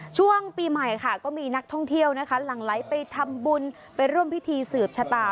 ช่วงปีใหม่ค่ะก็มีนักท่องเที่ยวนะคะหลั่งไหลไปทำบุญไปร่วมพิธีสืบชะตา